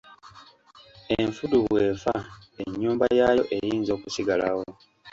Enfudu bw’efa ennyumba yaayo eyinza okusigalawo.